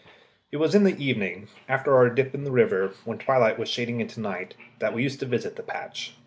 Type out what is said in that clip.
It was in the evening, after our dip in the river, when twilight was shading into night, that we used to visit the patch.